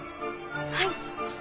はい。